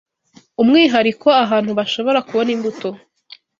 umwihariko ahantu bashobora kubona imbuto